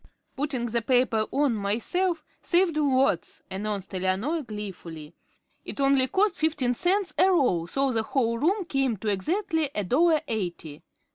"Putting the paper on myself saved lots," announced Eleanor, gleefully. "It only cost fifteen cents a roll, so the whole room came to exactly a dollar eighty.